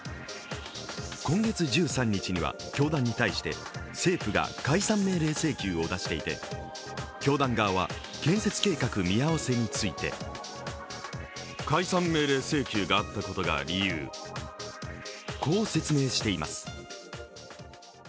今月１３日には教団に対して政府が解散命令請求を出していて教団側は建設計画見合わせについてこう説明しています。